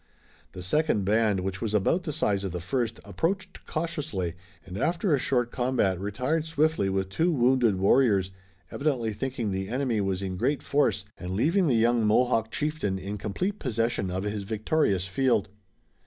The second band, which was about the size of the first, approached cautiously, and after a short combat retired swiftly with two wounded warriors, evidently thinking the enemy was in great force, and leaving the young Mohawk chieftain in complete possession of his victorious field.